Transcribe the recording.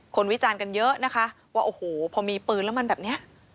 วิจารณ์กันเยอะนะคะว่าโอ้โหพอมีปืนแล้วมันแบบนี้